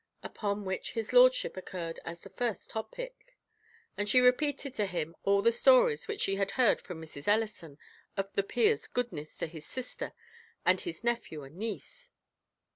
Upon which his lordship occurred as the first topic; and she repeated to him all the stories which she had heard from Mrs. Ellison, of the peer's goodness to his sister and his nephew and niece.